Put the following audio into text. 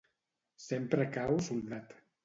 Sempre cau soldat.